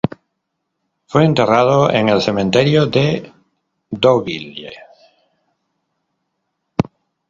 Fue enterrado en el Cementerio de Deauville.